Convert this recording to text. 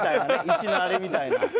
石のあれみたいな。